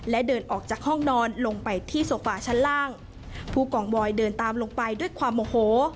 และเดินออกจากห้องนอนลงไปที่โซฟาชั้นล่างผู้กองบอยเดินตามลงไปด้วยความโมโห